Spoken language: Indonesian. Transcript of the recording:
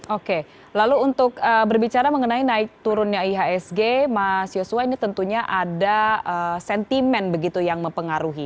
oke lalu untuk berbicara mengenai naik turunnya ihsg mas yosua ini tentunya ada sentimen begitu yang mempengaruhi